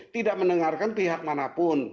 tidak mendengarkan pihak manapun